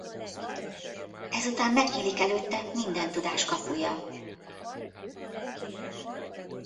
Ezután megnyílik előtte minden tudás kapuja.